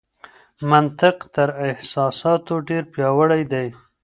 منطق تر احساساتو ډېر پياوړی دی.